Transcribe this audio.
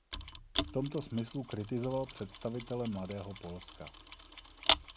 V tomto smyslu kritizoval představitele "Mladého Polska".